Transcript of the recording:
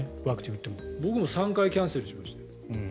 僕も３回キャンセルしました。